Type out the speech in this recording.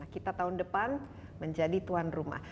kita tahun depan menjadi tuan rumah